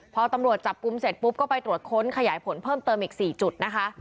พอตำรวจจับกลุ่มเสร็จปุ๊บก็ไปตรวจค้นขยายผลเพิ่มเติมอีก๔จุดนะคะ